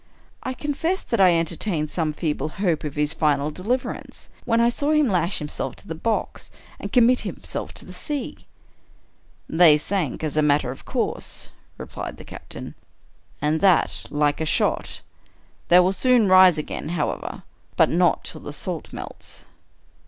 I confess that I entertained some feeble hope of his final deliverance, when I saw him lash himself to the box, and commit himself to the sea." " They sank as a matter of course," replied the captain, *' and that like a shot. They will soon rise again, however — but not till the salt melts."